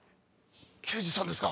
刑事さんですか？